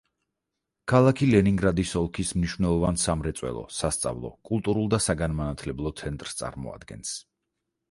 ქალაქი ლენინგრადის ოლქის მნიშვნელოვან სამრეწველო, სასწავლო, კულტურულ და საგანმანათლებლო ცენტრს წარმოადგენს.